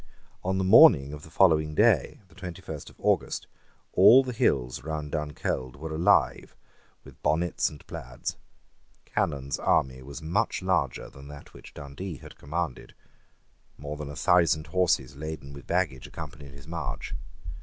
On the morning of the following day, the twenty first of August, all the hills round Dunkeld were alive with bonnets and plaids. Cannon's army was much larger than that which Dundee had commanded. More than a thousand horses laden with baggage accompanied his march.